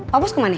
pak bos kemana